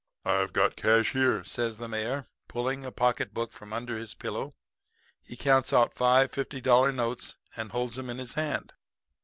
"'I've got the cash here,' says the mayor, pulling a pocket book from under his pillow. "He counts out five fifty dollar notes and holds 'em in his hand.